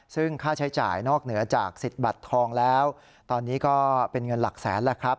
ซึ่งค่าใช้จ่ายนอกเหนือจากสิทธิ์บัตรทองแล้วตอนนี้ก็เป็นเงินหลักแสนแล้วครับ